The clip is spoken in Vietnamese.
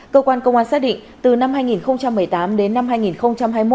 cơ quan công an xác định từ năm hai nghìn một mươi tám đến năm hai nghìn hai mươi